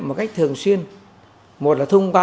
một cách thường xuyên một là thông qua